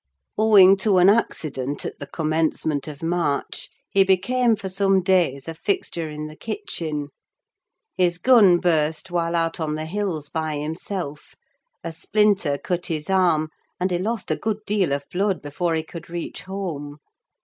Owing to an accident at the commencement of March, he became for some days a fixture in the kitchen. His gun burst while out on the hills by himself; a splinter cut his arm, and he lost a good deal of blood before he could reach home.